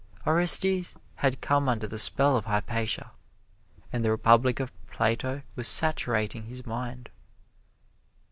Orestes had come under the spell of Hypatia, and the Republic of Plato was saturating his mind.